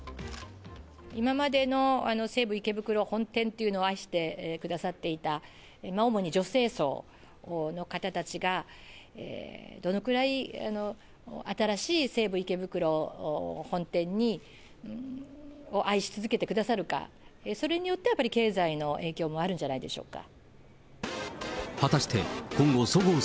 今までの西武池袋本店というのを愛してくださっていた、主に女性層の方たちが、どのくらい新しい西武池袋本店を愛し続けてくださるか、それによって、やっぱり経済の影響もあるんじゃないでしょうか。